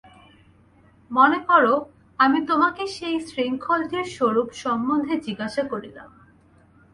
মনে কর, আমি তোমাকে সেই শৃঙ্খলটির স্বরূপ সম্বন্ধে জিজ্ঞাসা করিলাম।